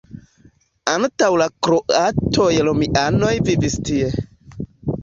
Antaŭ la kroatoj romianoj vivis tie.